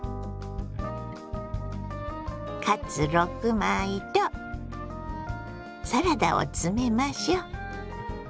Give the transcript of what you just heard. カツ６枚とサラダを詰めましょ。